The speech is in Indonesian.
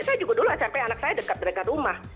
saya juga dulu smp anak saya dekat dekat rumah